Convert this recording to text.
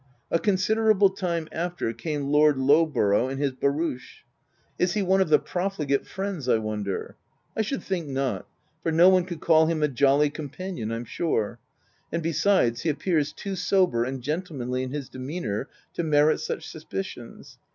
A con siderable time after, came Lord Lowborough in his barouche. Is he one of the profligate friends, I wonder ? I should think not ; for no one could call him a jolly companion, I'm sure, — and besides, he appears too sober and gentle manly in his demeanour, to merit such suspi cions.